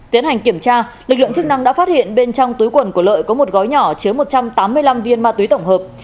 tiến hành kiểm tra lực lượng chức năng đã phát hiện bên trong túi quần của lợi có một gói nhỏ chứa một trăm tám mươi năm viên ma túy tổng hợp